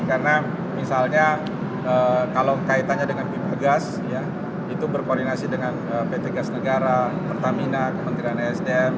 karena misalnya kalau kaitannya dengan pipa gas ya itu berkoordinasi dengan pt gas negara pertamina kementerian esdm